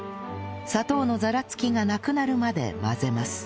砂糖のざらつきがなくなるまで混ぜます